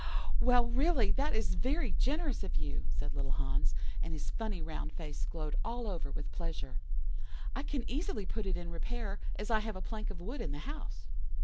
"'Well, really, that is generous of you,' said little Hans, and his funny round face glowed all over with pleasure. 'I can easily put it in repair, as I have a plank of wood in the house.